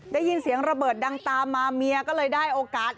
ได้ยินเสียงระเบิดดังตามมาเมียก็เลยได้โอกาส